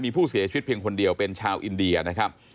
มีผู้เสียชีวิตเพียงคนเดียวเป็นชาวอินเดียนะครับ